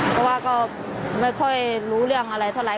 เพราะว่าก็ไม่ค่อยรู้เรื่องอะไรเท่าไห